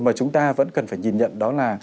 mà chúng ta vẫn cần phải nhìn nhận đó là